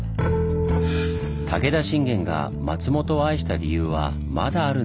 武田信玄が松本を愛した理由はまだあるんです。